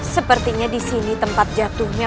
sepertinya disini tempat jatuhnya